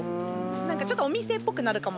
なんかちょっとお店っぽくなるかも。